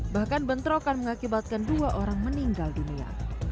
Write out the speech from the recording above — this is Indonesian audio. bahkan bentrokan mengakibatkan dua orang meninggal di meja